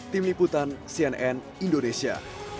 tim liputan cnn indonesia